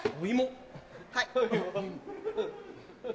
はい。